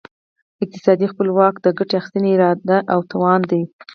اقتصادي خپلواکي د ګټې اخیستني اراده او توان دی.